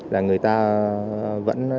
là người ta vẫn